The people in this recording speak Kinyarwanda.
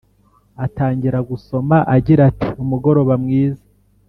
atangira gusoma agira ati” umugoroba mwiza